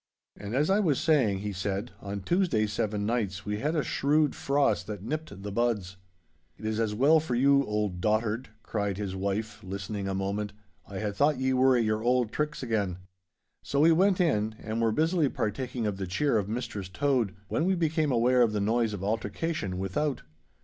'And as I was saying,' he said, 'on Tuesday seven nights we had a shrewd frost that nipped the buds.' 'It is as well for you, old dotard,' cried his wife, listening a moment, 'I had thought ye were at your auld tricks again.' So we went in, and were busily partaking of the cheer of Mistress Tode when we became aware of the noise of altercation without.